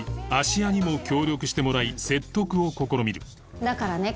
芦屋にも協力してもらい説得を試みるだからね